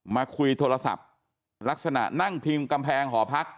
มาคุยโทรศัพท์ลักษณะนั่งพิมพ์กำแพงหอพัก